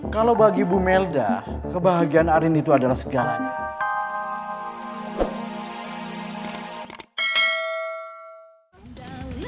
kalau bagi bu melda kebahagiaan arin itu adalah segalanya